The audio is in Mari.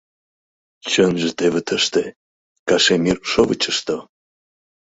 Чынже теве тыште — «Кашемир шовычышто».